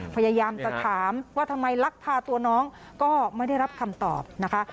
พยายามจะถามว่าทำไมลักพาตัวน้องก็ไม่ได้รับคำตอบนะคะ